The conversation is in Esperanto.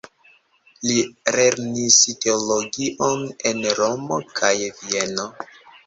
Li lernis teologion en Romo kaj Vieno.